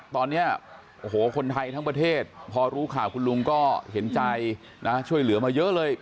ตอนนี้โอ้โหคนไทยทั้งประเทศพอรู้ข่าวคุณลุงก็เห็นใจนะช่วยเหลือมาเยอะเลย